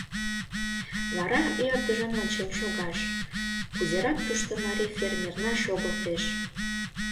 Вара ӧрдыжын ончен шогаш: кузерак тушто марий фермерна шогылтеш?